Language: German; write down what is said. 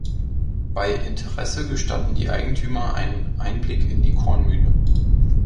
Bei Interesse gestatten die Eigentümer einen Einblick in die Kornmühle.